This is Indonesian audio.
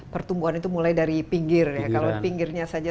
pertumbuhan itu mulai dari pinggir ya